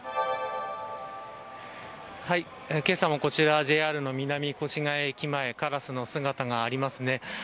けさもこちらＪＲの南越谷駅前カラスの姿がありますね。